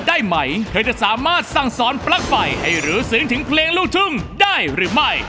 ได้ไหมเธอจะสามารถสั่งศรภัคไฟให้หฤษืงถึงเพลงลูกทุ่งได้หรือไม่